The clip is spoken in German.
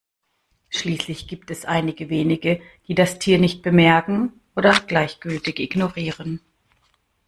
Schließlich gibt es einige wenige, die das Tier nicht bemerken oder gleichgültig ignorieren.